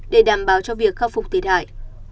để đảm bảo cho việc khắc phục thiệt hại